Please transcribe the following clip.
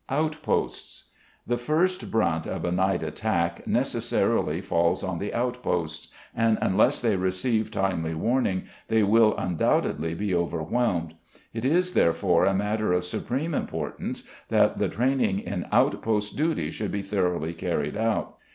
Outposts. The first brunt of a night attack necessarily falls on the outposts, and unless they receive timely warning they will undoubtedly be overwhelmed; it is, therefore, a matter of supreme importance that the training in outpost duty should be thoroughly carried out.